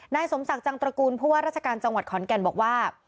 นายสมศักดิ์จังตระกูลผู้ว่าราชการจังหวัดขอนแก่นบอกว่า